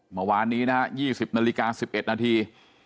เมื่อวานนี้นะฮะ๒๐นาฬิกา๑๑นาที